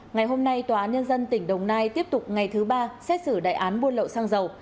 ngày hôm nay tòa án nhân dân tỉnh đồng nai tiếp tục ngày thứ ba xét xử đại án buôn lậu xăng dầu